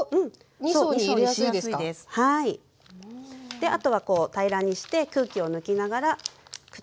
であとはこう平らにして空気を抜きながら口を閉じて下さい。